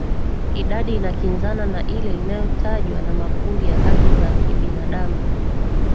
idadi inakinzana na ile inayotajwa na makundi ya haki za binadamu